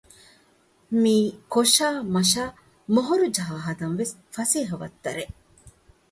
މީ ކޮށައި މަށައި މޮހޮރުޖަހާ ހަދަން ވެސް ފަސޭހަ ވައްތަރެއް